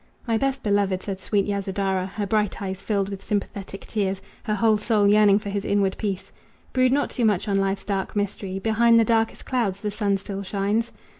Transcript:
"My best beloved," said sweet Yasodhara, Her bright eyes filled with sympathetic tears, Her whole soul yearning for his inward peace, "Brood not too much on life's dark mystery Behind the darkest clouds the sun still shines."